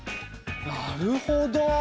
なるほど。